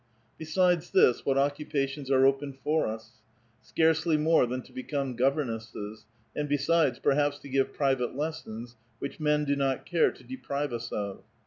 Besides this, what occupations are open for us ? Scarcely more than to become governesses ; and besides, perhaps to give private lessons which men do not care to deprive us of.